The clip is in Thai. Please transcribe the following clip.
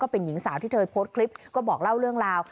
เป็นหญิงสาวที่เธอโพสต์คลิปก็บอกเล่าเรื่องราว